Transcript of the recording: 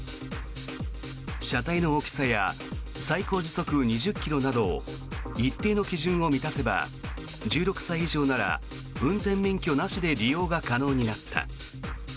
車体の大きさや最高時速２０ｋｍなど一定の基準を満たせば１６歳以上なら運転免許なしで利用が可能になった。